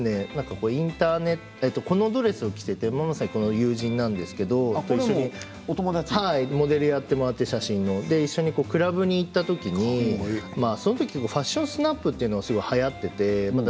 このドレスを着てこれは友人なんですけれどもモデルをやってもらって写真を撮って、一緒にクラブに行ったときにそのときにファッションスナップというのが、すごいはやっていて。